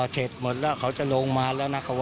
คนงานมากินข้าว